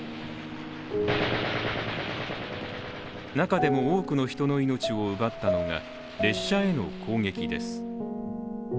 中でも多くの人の命を奪ったのが列車への攻撃です。